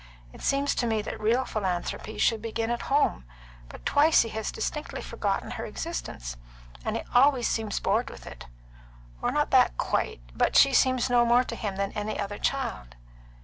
It seems to me that real philanthropy would begin at home. But twice he has distinctly forgotten her existence, and he always seems bored with it. Or not that quite; but she seems no more to him than any other child."